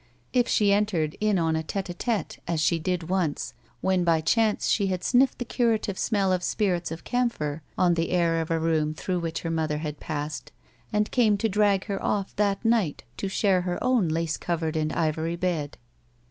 If she entered in on a t6te ^ t6te, as she did once, when by chance she had sniffed the curative smell of spirits of camphor on the air of a room through which her mother had passed, and came to drag her c^ that night to share her own lace covered and ivory bed.